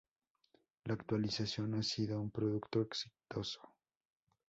La actualización ha sido un producto exitoso.